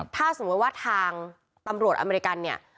ถ้าสมมุติว่าทางตำรวจอเมริกันเนี่ย